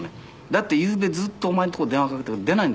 「だってゆうべずっとお前の所電話かけたけど出ないんだもん」